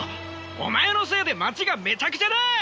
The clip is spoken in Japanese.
お前のせいで街がめちゃくちゃだ！